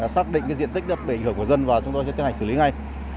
xác định diện tích đất bị ảnh hưởng của dân và chúng tôi sẽ tiến hành xử lý ngay